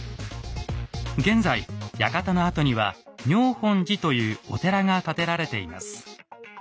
現在館の跡には妙本寺というお寺が建てられています。